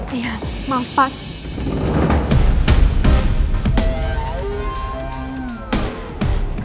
iya maaf pak